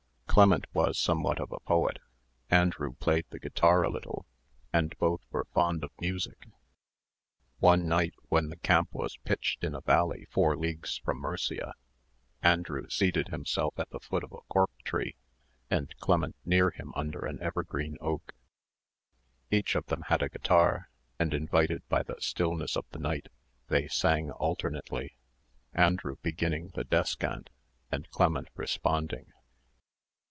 Clement was somewhat of a poet, Andrew played the guitar a little, and both were fond of music. One night, when the camp was pitched in a valley four leagues from Murcia, Andrew seated himself at the foot of a cork tree, and Clement near him under an evergreen oak. Each of them had a guitar; and invited by the stillness of the night, they sang alternately, Andrew beginning the descant, and Clement responding.